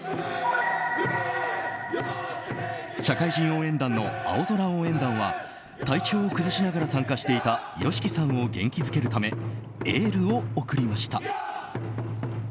社会人応援団の青空応援団は体調を崩しながら参加していたＹＯＳＨＩＫＩさんを元気づけるためエールを送りました。